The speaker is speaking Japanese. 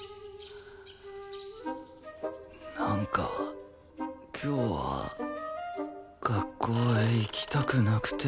なんか今日は学校へ行きたくなくて。